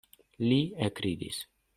Li ekridis.